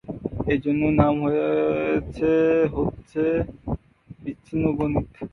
এ জন্যই নাম হয়েছে হচ্ছে বিচ্ছিন্ন গণিত।